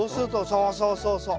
そうそうそうそう。